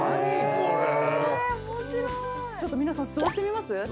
ちょっと皆さん座ってみます？